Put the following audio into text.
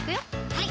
はい